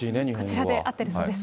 こちらで合ってるそうです。